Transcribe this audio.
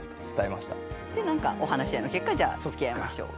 でなんかお話し合いの結果じゃあつきあいましょう。